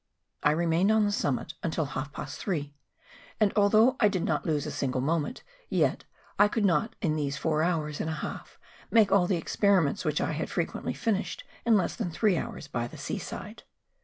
I remained on the summit until half past three; and although I did not lose a single moment, yet I could not in these four hours and a half make all the experiments which I had frequently finished in less than three hours by the sea side.